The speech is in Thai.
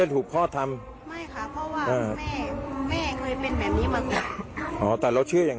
ทั้งลูกสาวลูกชายก็ไปทำพิธีจุดทูป